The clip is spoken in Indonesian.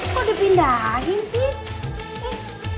kok dipindahin sih